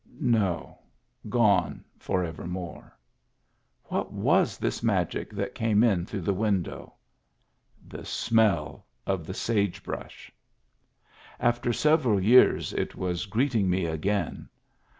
No ; gone for evermore. What was this magic that came in through the window? The smell of the sage brush. After several years it was greeting me again.